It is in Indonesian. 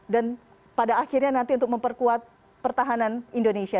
dan pada akhirnya nanti untuk memperkuat pertahanan indonesia